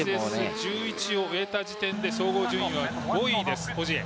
ＳＳ１１を終えた時点で総合順位は５位です、オジエ。